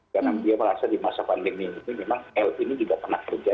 karena dia merasa di masa pandemi ini memang l ini juga pernah kerja